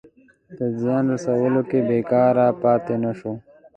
په زیان رسولو کې بېکاره پاته نه شو.